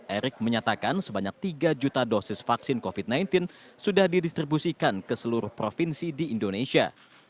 erick menyatakan sebanyak tiga juta dosis vaksin covid sembilan belas sudah didistribusikan ke seluruh provinsi di indonesia